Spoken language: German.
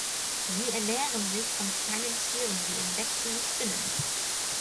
Sie ernähren sich von kleinen Tieren wie Insekten und Spinnen.